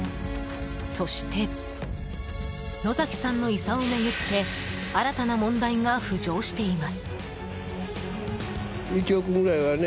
そして野崎さんの遺産を巡って新たな問題が浮上しています。